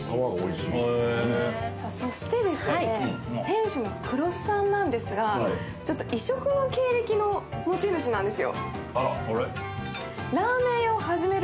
そして、店主の黒須さんなんですが、異色の経歴の持ち主なんですよ。